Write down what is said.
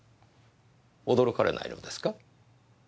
驚かれないのですか？